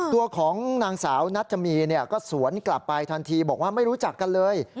ตัวของนางสาวนัชมีก็สวนกลับไปทันทีบอกว่าไม่รู้จักกันเลย